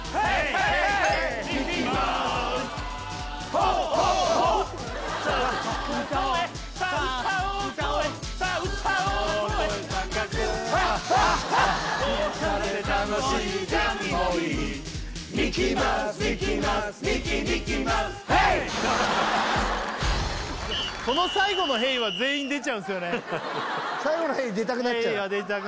ホエ最後の「ヘイ！」に出たくなっちゃう